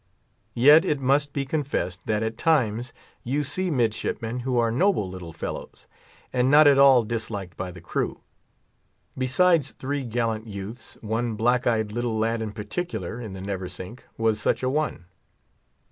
Yet it must be confessed that at times you see midshipmen who are noble little fellows, and not at all disliked by the crew. Besides three gallant youths, one black eyed little lad in particular, in the Neversink, was such a one.